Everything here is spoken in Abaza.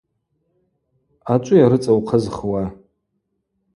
Ачӏвыйа рыцӏа ухъызхуа?